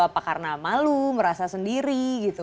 apa karena malu merasa sendiri gitu